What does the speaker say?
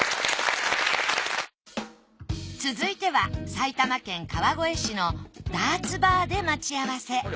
続いては埼玉県川越市のダーツバーで待ち合わせ。